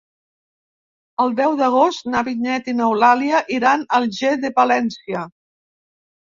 El deu d'agost na Vinyet i n'Eulàlia iran a Algar de Palància.